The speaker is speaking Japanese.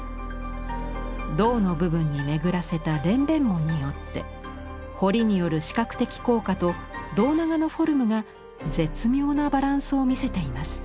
胴の部分に巡らせた蓮弁文によって彫りによる視覚的効果と胴長のフォルムが絶妙なバランスを見せています。